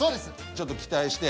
ちょっと期待して。